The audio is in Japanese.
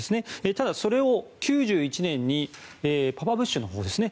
ただ、それを９１年にパパブッシュのほうですね。